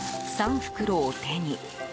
３袋を手に。